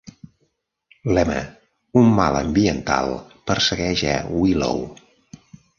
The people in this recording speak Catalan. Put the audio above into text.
Lema: "Un mal ambiental persegueix a Willow".